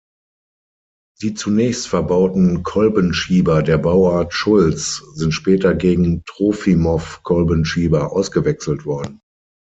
Die zunächst verbauten Kolbenschieber der Bauart Schulz sind später gegen Trofimoff-Kolbenschieber ausgewechselt worden.